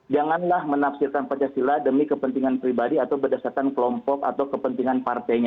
janganlah menafsirkan pancasila demi kepentingan pribadi atau berdasarkan kelompok atau kepentingan partainya